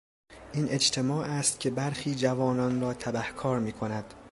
این اجتماع است که برخی جوانان را تبهکار میکند.